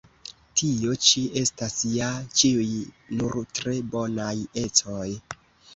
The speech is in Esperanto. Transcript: Tio ĉi estas ja ĉiuj nur tre bonaj ecoj!